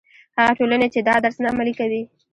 هغه ټولنې چې دا درس نه عملي کوي.